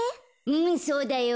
うんそうだよ。